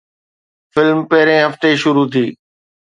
film پهرين هفتي شروع ٿي